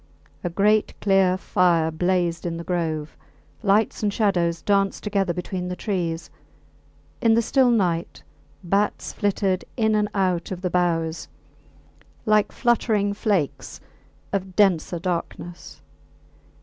A great, clear fire blazed in the grove; lights and shadows danced together between the trees; in the still night bats flitted in and out of the boughs like fluttering flakes of denser darkness.